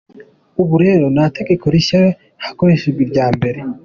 Ubu rero nta tegeko rishya, hakoreshwa irya mbere.